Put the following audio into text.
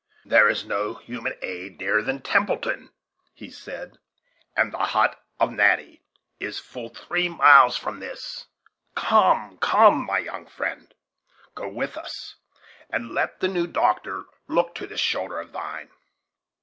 "There is no human aid nearer than Templeton," he said, "and the hut of Natty is full three miles from this come, come, my young friend, go with us, and let the new doctor look to this shoulder of thine.